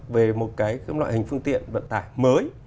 về một cái loại hình phương tiện vận tải mới